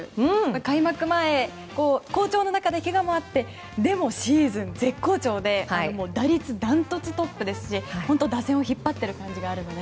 開幕前好調な中で、けがもあってでもシーズン絶好調で打率が断トツトップですし本当に打線を引っ張ってる感じがあるので。